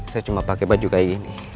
saya cuma pakai baju kayak gini